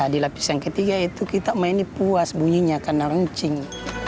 di lapis yang ketiga itu kita mainnya puas bunyinya karena rencing